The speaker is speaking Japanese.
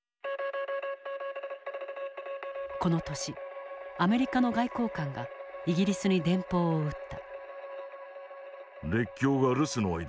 この年アメリカの外交官がイギリスに電報を打った。